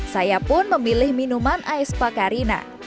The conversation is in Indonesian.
saya pun memilih minuman aespa karina